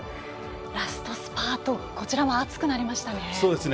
ラストスパートこちらも熱くなりましたね。